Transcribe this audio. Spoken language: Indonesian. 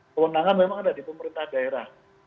kewenangan memang ada di pemerintah daerah